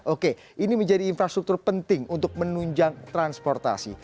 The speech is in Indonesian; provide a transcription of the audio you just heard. oke ini menjadi infrastruktur penting untuk menunjang transportasi